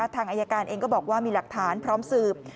ทางอายการเองก็บอกว่ามีหลักฐานพร้อมสืบ